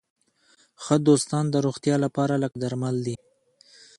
ښه دوستان د روغتیا لپاره لکه درمل دي.